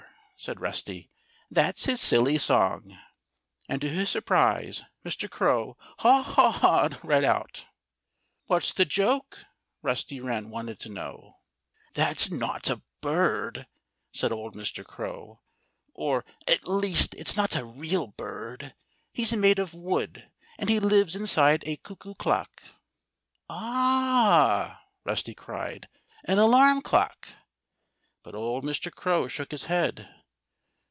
said Rusty. "That's his silly song!" And to his surprise Mr. Crow haw hawed right out. "What's the joke?" Rusty Wren wanted to know. "That's not a bird " said old Mr. Crow "or, at least, it's not a real bird. He's made of wood. And he lives inside a cuckoo clock." "Ah!" Rusty cried. "An alarm clock!" But old Mr. Crow shook his head.